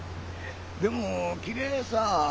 でもきれいさぁ。